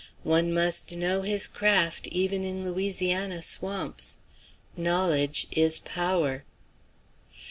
One must know his craft, even in Louisiana swamps. "Knowledge is power."